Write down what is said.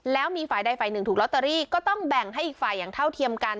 แล้วมีฝ่ายใดฝ่ายหนึ่งถูกลอตเตอรี่ก็ต้องแบ่งให้อีกฝ่ายอย่างเท่าเทียมกัน